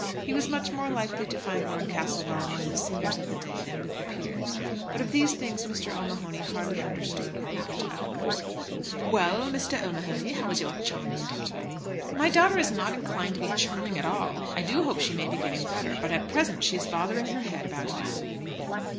He was much more likely to find Lord Castlewell among the singers of the day, than with the peers; but of these things Mr. O'Mahony hardly understood all the particulars. "Well, O'Mahony, how is your charming daughter?" "My daughter is not inclined to be charming at all. I do hope she may be getting better, but at present she is bothering her head about you."